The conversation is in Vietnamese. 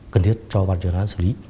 cần thiết cho văn chuyên án xử lý